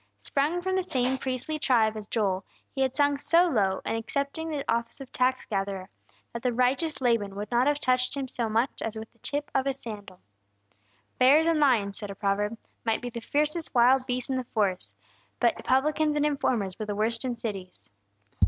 Sprung from the same priestly tribe as Joel, he had sunk so low, in accepting the office of tax gatherer, that the righteous Laban would not have touched him so much as with the tip of his sandal. "Bears and lions," said a proverb, "might be the fiercest wild beasts in the forests; but publicans and informers were the worst in cities."